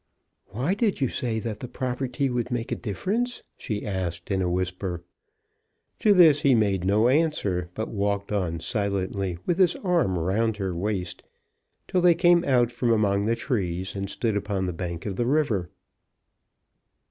"Why did you say that the property would make a difference?" she asked, in a whisper. To this he made no answer, but walked on silently, with his arm round her waist, till they came out from among the trees, and stood upon the bank of the river.